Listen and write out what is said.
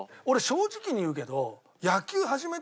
俺正直に言うけど。